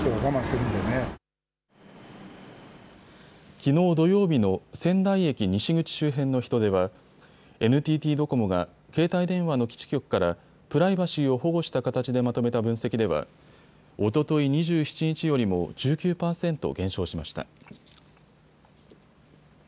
きのう土曜日の仙台駅西口周辺の人出はＮＴＴドコモが携帯電話の基地局からプライバシーを保護した形でまとめた分析ではおととい２７日よりも１９％減少しました。